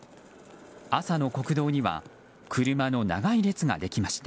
朝の国道には車の長い列ができました。